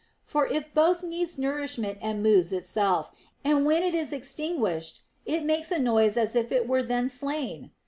For it both needs nourish ment and moves itself, and when it is extinguished it makes a noise as if it were then slain